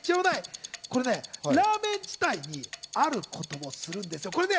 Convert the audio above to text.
これね、ラーメン自体にあることをするんです。